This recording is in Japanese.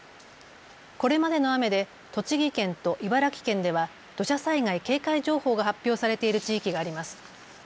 これまでの雨で栃木県と茨城県では土砂災害警戒情報が発表されている地域があります。